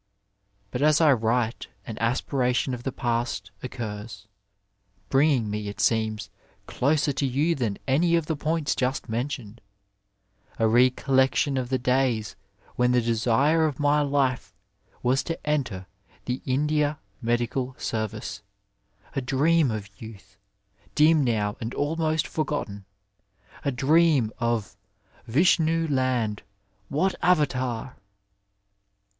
But as I write an aspiration of the past occurs, bringing me, it seems, closer to you than any of the points just mentioned, a recollection of the days when the desire of my life was to enter the India Medical Service, a dream of youth, dim now and almost forgotten — a dream of '* Vishnu land, what Avatar !